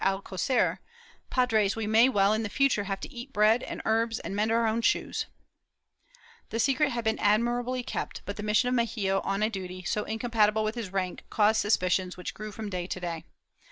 — Boronat, II, 501. 394 MOBISCOS [Book VIII ican Prior Alcocer "Padres, we may well in the future have to eat bread and herbs and to mend our own shoes. "^ The secret had been admirably kept, but the mission of Mexia on a duty so incompatible with his rank caused suspicions which grew from day to day.